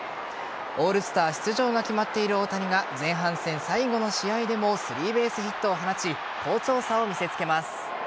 オールスター出場が決まっている大谷が前半戦最後の試合でもスリーベースヒットを放ち好調さを見せつけます。